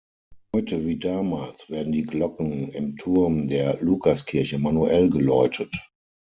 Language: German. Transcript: Heute wie damals werden die Glocken im Turm der Lukaskirche manuell geläutet.